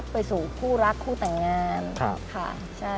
ไปสู่คู่รักคู่แต่งงานค่ะ